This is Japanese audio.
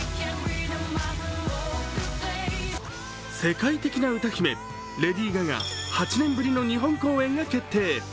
世界的な歌姫レディー・ガガ、８年ぶりの日本公演が決定。